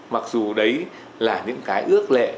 mặc dù đấy là những cái ước lệ